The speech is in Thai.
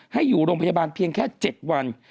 ให้อยู่โรงพยาบาลเพียงแค่๗วัน